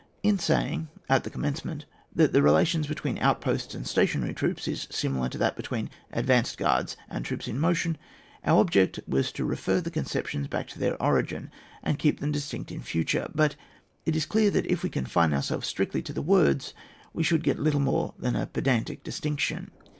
In saying, at the commencement, that the relations between outposts and stationary troops is similar to that between advanced guards and troops in motion, our object was to refer the con ceptions back to their origin, and keep them distinct in future ; but it is clear that if we confine ourselves strictly to the words we should get little more than a pedantic distinction.